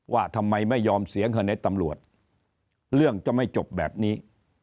ว่าทำไมไม่ยอมเสียเงินให้ตำรวจเรื่องจะไม่จบแบบนี้